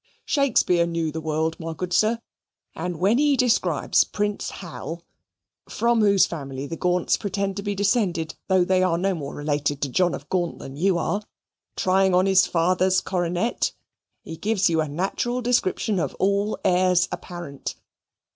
Shakespeare knew the world, my good sir, and when he describes Prince Hal (from whose family the Gaunts pretend to be descended, though they are no more related to John of Gaunt than you are) trying on his father's coronet, he gives you a natural description of all heirs apparent.